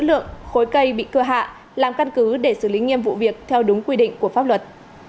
lượng khối cây bị cưa hạ làm căn cứ để xử lý nghiêm vụ việc theo đúng quy định của pháp luật